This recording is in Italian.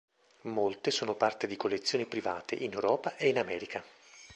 Molte sono parte di collezioni private, in Europa e in America.